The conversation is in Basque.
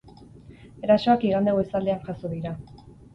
Erasoak igande goizaldean jazo dira.